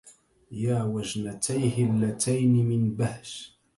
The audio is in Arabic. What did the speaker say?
ياوجنتيه اللتين من بهج